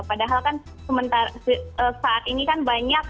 padahal kan sementara saat ini kan banyak